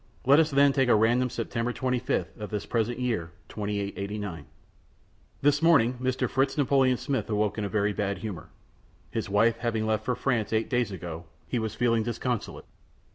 Let us then take at random September 25th of this present year 2889. This morning Mr. Fritz Napoleon Smith awoke in very bad humor. His wife having left for France eight days ago, he was feeling disconsolate.